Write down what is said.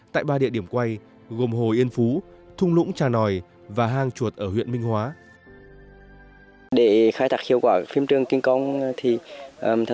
tại ba địa điểm quay gồm hồ yên phú thung lũng trà nòi và hang chuột ở huyện minh hóa